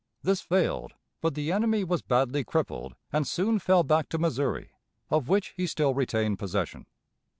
This failed; but the enemy was badly crippled, and soon fell back to Missouri, of which he still retained possession.